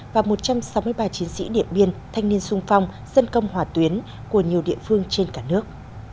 và một trăm sáu mươi ba chiến sĩ điện biên thanh niên sung phong dân công hỏa tuyến của nhiều địa phương trên cả nước